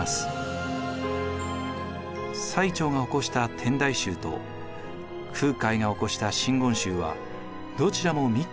最澄が興した天台宗と空海が興した真言宗はどちらも密教を取り込み